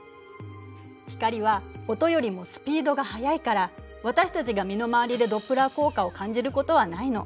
光は音よりもスピードが速いから私たちが身の回りでドップラー効果を感じることはないの。